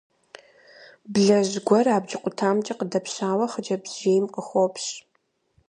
Блэжь гуэр абдж къутамкӀэ къыдэпщауэ хъыджэбз жейм къыхуопщ.